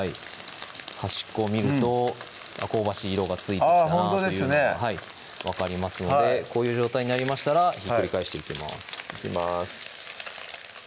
端っこを見ると香ばしい色がついてきたなっていうのが分かりますのでこういう状態になりましたらひっくり返していきますいきます